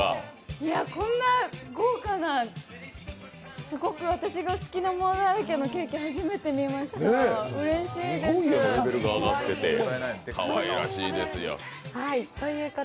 こんな豪華な、すごく私が好きなものだらけのケーキ、初めて見ました、うれしいです。